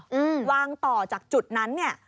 หิวางต่อจากจุดนั้น